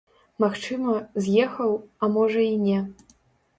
Магчыма, з'ехаў, а можа і не.